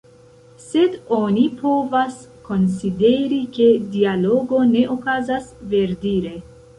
Sed, oni povas konsideri ke dialogo ne okazas, verdire.